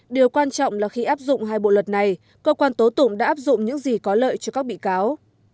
điều quan trọng là khi áp dụng hai bộ luật này cơ quan tố tụng đã áp dụng những gì có lợi cho các bị cáo